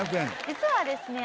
実はですね